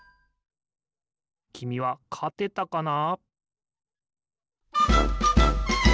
きみはかてたかな？